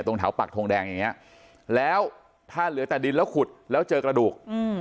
ตรงแถวปากทงแดงอย่างนี้แล้วถ้าเหลือแต่ดินแล้วขุดแล้วเจอกระดูก